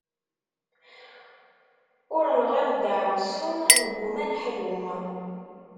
Ur nɣiḍ deɛwessu, negumma ad neḥlu.